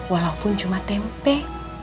walaupun cuma tempe